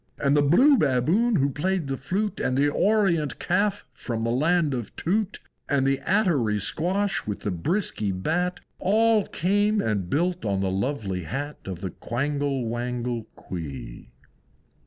And the Blue Baboon who played the flute, And the Orient Calf from the Land of Tute, And the Attery Squash, and the Bisky Bat, All came and built on the lovely Hat Of the Quangle Wangle Quee.